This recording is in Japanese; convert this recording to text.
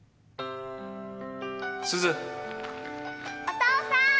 お父さん！